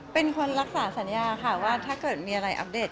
เป็นคนรักษาสัญญาค่ะว่าถ้าเกิดมีอะไรอัปเดต